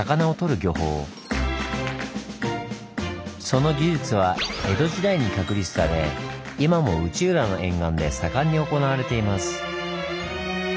その技術は江戸時代に確立され今も内浦の沿岸で盛んに行われています。